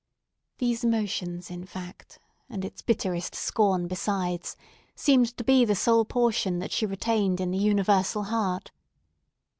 These emotions, in fact, and its bitterest scorn besides, seemed to be the sole portion that she retained in the universal heart.